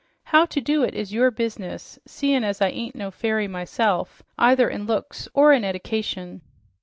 "How to do it is your business, seein' as I ain't no fairy myself, either in looks or in eddication."